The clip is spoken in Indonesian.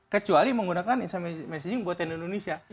kecuali menggunakan instant messaging buat tni indonesia